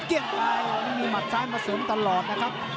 เกี่ยงไกลมีมัดซ้ายมาเสริมตลอดนะครับ